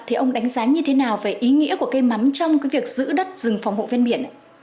thì ông đánh giá như thế nào về ý nghĩa của cây mắm trong cái việc giữ đất rừng phòng hộ ven biển